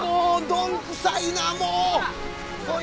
どんくさいなもう！